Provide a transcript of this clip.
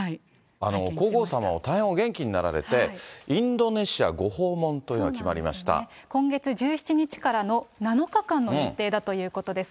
皇后さまも大変お元気になられて、インドネシアご訪問という今月１７日からの７日間の日程だということです。